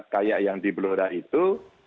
kayak yang di blora itu